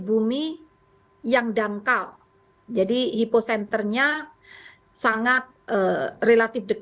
ceo rester ajeng hidup merifat gamer the earth kalau emang